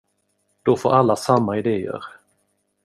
Då får alla samma idéer.